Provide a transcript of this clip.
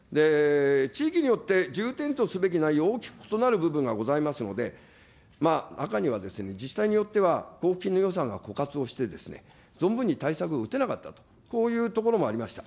地域によって重点とすべき内容大きく異なる部分がございますので、中には自治体によっては交付金の予算が枯渇をして、存分に対策を打てなかったと、こういうところもありました。